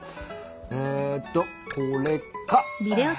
えとこれか！